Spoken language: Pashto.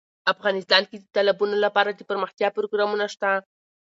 افغانستان کې د تالابونو لپاره دپرمختیا پروګرامونه شته.